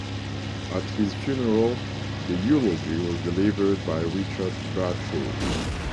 At his funeral, the eulogy was delivered by Richard Bradshaw.